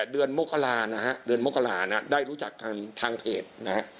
เดือนมกรานะฮะเดือนมกราได้รู้จักทางเพจนะฮะ